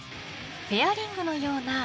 ［ペアリングのような。